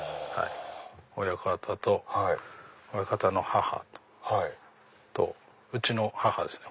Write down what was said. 親方と親方の母とうちの母ですね。